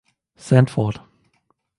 Sandford.